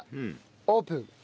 オープン！